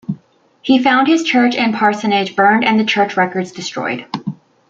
He found his church and parsonage burned and the church records destroyed.